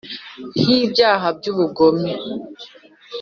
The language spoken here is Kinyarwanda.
Nk ibyaha by ubugome